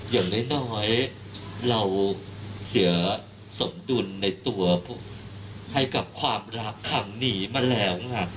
อย่างน้อยเราเสียสมดุลในตัวให้กับความรักครั้งนี้มาแล้วค่ะ